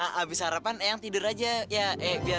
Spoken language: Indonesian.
habis sarapan eang tidur aja iya